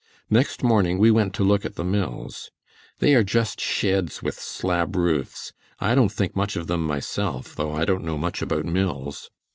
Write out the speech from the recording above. Next morning we went to look at the mills. They are just sheds with slab roofs. I don't think much of them myself, though I don't know much about mills.